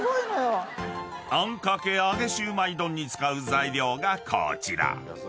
［あんかけ揚げ焼売丼に使う材料がこちら］